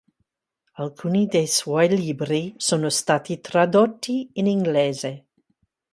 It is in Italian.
Alcuni dei suoi libri sono stati tradotti in inglese.